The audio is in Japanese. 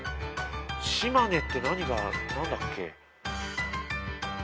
島根って何が何だっけ？